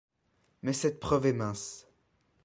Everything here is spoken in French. Mais cette preuve était mince.